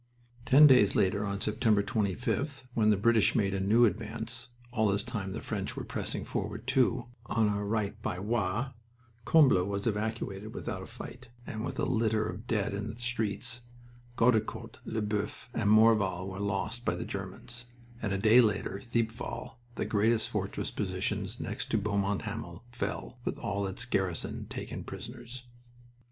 Ten days later, on September 25th, when the British made a new advance all this time the French were pressing forward, too, on our right by Roye Combles was evacuated without a fight and with a litter of dead in its streets; Gueudecourt, Lesboeufs, and Morval were lost by the Germans; and a day later Thiepval, the greatest fortress position next to Beaumont Hamel, fell, with all its garrison taken prisoners.